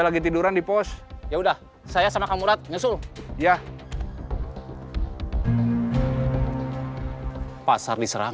lagi tiduran di pos ya udah saya sama kamu ratu ratu iya pasar diserang